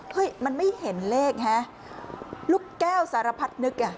เฮ้ยมันไม่เห็นเลขฮะลูกแก้วสารพัดนึกอ่ะ